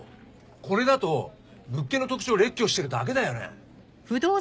これだと物件の特徴を列挙してるだけだよね。